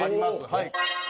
はい。